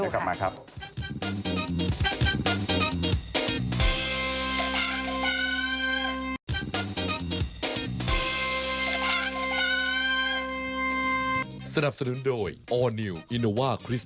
ช่วงหน้ามาดูค่ะโอเคเดี๋ยวกลับมาครับ